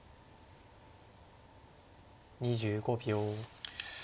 ２５秒。